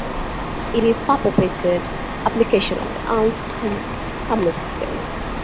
It is a purported application of the Anns-Kamloops Test.